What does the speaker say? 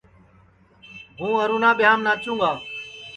ہوں ارونا ٻیاںٚم ناچُوں گا